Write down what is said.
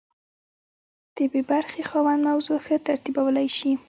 د بي برخې خاوند موضوع ښه ترتیبولی شي.